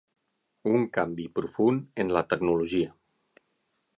Un canvi profund en la tecnologia.